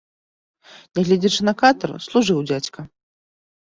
Нягледзячы на катар, служыў дзядзька.